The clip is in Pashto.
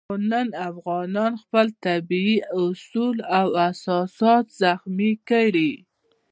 خو نن افغانانو خپل طبیعي اصول او اساسات زخمي کړي.